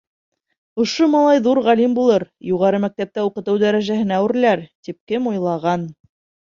Ошо малай ҙур ғалим булыр, юғары мәктәптә уҡытыу дәрәжәһенә үрләр, тип кем уйлаған.